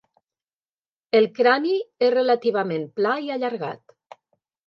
El crani és relativament pla i allargat.